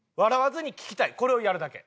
これをやるだけ。